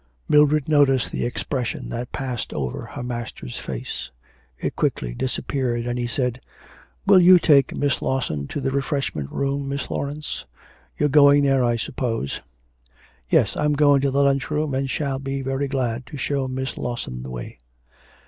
Mildred noticed the expression that passed over her master's face. It quickly disappeared, and he said, 'Will you take Miss Lawson to the refreshment room, Miss Laurence? You're going there I suppose.' 'Yes, I'm going to the lunch room, and shall be very glad to show Miss Lawson the way.'